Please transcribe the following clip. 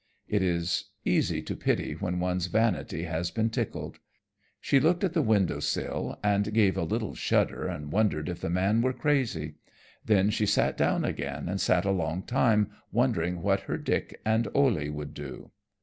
It is easy to pity when once one's vanity has been tickled. She looked at the window sill and gave a little shudder and wondered if the man were crazy. Then she sat down again and sat a long time wondering what her Dick and Ole would do.